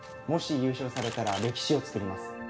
もし優勝されたら歴史を作ります。